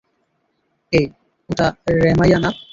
এই, ওটা রাম্যায়া না?